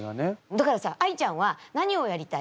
だからさあいちゃんは何をやりたい？